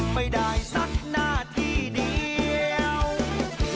ไม่ได้สักพักทีเดียว